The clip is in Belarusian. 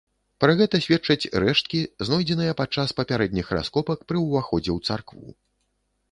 Пра гэта сведчаць рэшткі, знойдзеныя падчас папярэдніх раскопак пры ўваходзе ў царкву.